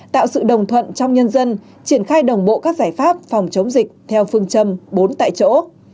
tạo sự đồng thuận trong nhân dân triển khai đồng bộ các giải pháp phòng chống dịch theo phương châm bốn tại chỗ